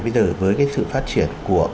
bây giờ với cái sự phát triển của